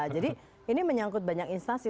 jadi ini menyangkut banyak instansi